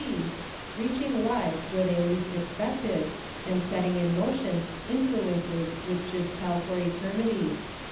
S. C, reaching lives where they least expected, and setting in motion influ ences which should tell for eternity.